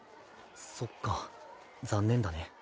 そっか残念だね。